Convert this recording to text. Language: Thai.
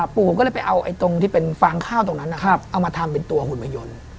ปู่ผมก็เลยไปเอาตรงที่เป็นฟางข้าวตรงนั้นเอามาทำเป็นตัวหุ่นมายนต์